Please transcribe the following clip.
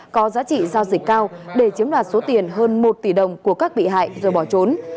có giá trị giao dịch cao để chiếm đoạt số tiền hơn một tỷ đồng của các bị hại rồi bỏ trốn